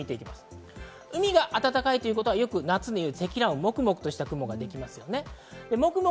海が暖かいということは夏にいる積乱雲、もくもくとした雲ができます。